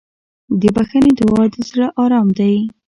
د بښنې دعا د زړه ارام دی.